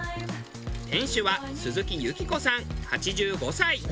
店主は鈴木幸子さん８５歳。